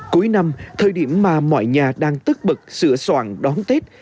cuối năm thời điểm mà mọi nhà đang tức bực sửa soạn đón tết